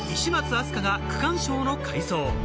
愛朱加が区間賞の快走。